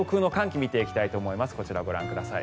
上空の寒気を見ていきたいと思います。